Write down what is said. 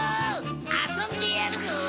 あそんでやるぞ！